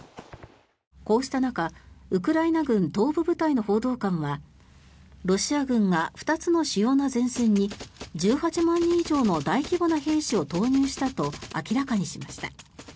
こうした中、ウクライナ軍東部部隊の報道官はロシア軍が２つの主要な前線に１８万人以上の大規模な兵士を投入したと明らかにしました。